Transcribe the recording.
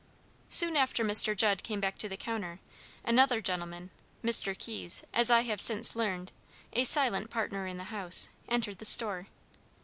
] Soon after Mr. Judd came back to the counter, another gentleman, Mr. Keyes, as I have since learned, a silent partner in the house, entered the store.